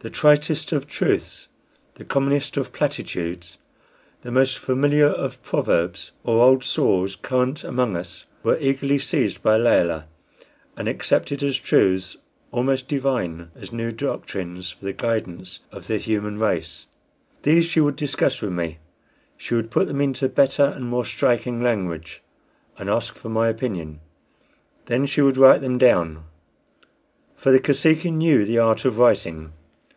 The tritest of truths, the commonest of platitudes, the most familiar of proverbs or old saws current among us were eagerly seized by Layelah, and accepted as truths almost divine as new doctrines for the guidance of the human race. These she would discuss with me; she would put them into better and more striking language, and ask for my opinion. Then she would write them down. For the Kosekin knew the art of writing.